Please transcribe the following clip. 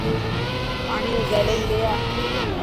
پاني رو گيلن لي آءِ.